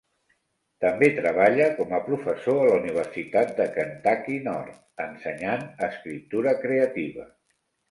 També treballa com a professor a la Universitat de Kentucky Nord, ensenyant escriptura creativa.